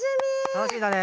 楽しみだね。